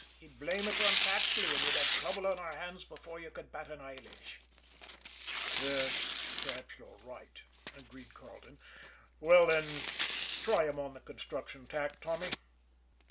He'd blame it on Paxley, and we'd have trouble on our hands before you could bat an eyelash." "Yes; perhaps you're right," agreed Carleton. "Well, then, try him on the construction tack, Tommy."